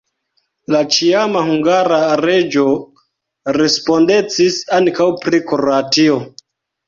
La ĉiama hungara reĝo respondecis ankaŭ pri Kroatio.